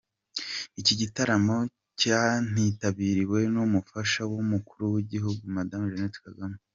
Iki gitaramo cyanitabiriwe n’umufasha w’umukuru w’igihugu Madame Jannet Kagame.